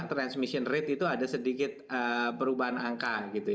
transmission rate itu ada sedikit perubahan angka